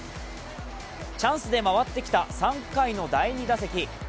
チャンスで回ってきた３回の第２打席。